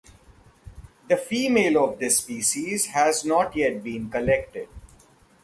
The female of this species has not yet been collected.